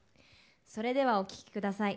それではお聴き下さい。